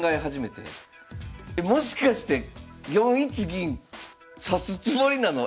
えもしかして４一銀指すつもりなの？